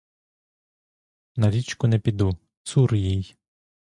На річку не піду, цур їй!